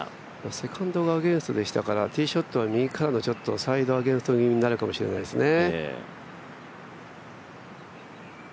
セカンドがアゲンストでしたからティーショットは、右サイドからのサイドアゲンスト気味になるかもしれないですね。